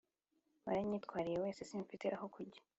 Waranyitwariye wese simfite aho kujya